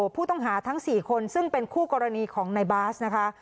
ผู้ต้องหาทั้ง๔คนซึ่งเป็นคู่กรณีของในบาสนะคะ